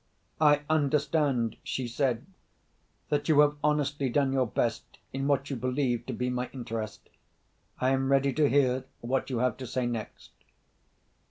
"I understand," she said, "that you have honestly done your best, in what you believe to be my interest. I am ready to hear what you have to say next."